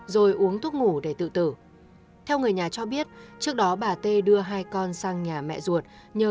rồi uống thuốc ngủ để tự tử theo người nhà cho biết trước đó bà t đưa hai con sang nhà mẹ ruột nhờ